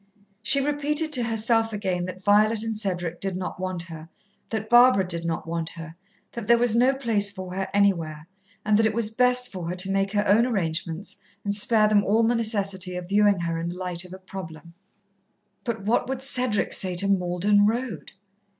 She repeated to herself again that Violet and Cedric did not want her, that Barbara did not want her, that there was no place for her anywhere, and that it was best for her to make her own arrangements and spare them all the necessity of viewing her in the light of a problem. But what would Cedric say to Malden Road?